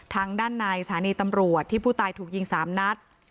ทางด้านในสถานีตำรวจที่ผู้ตายถูกยิง๓นัด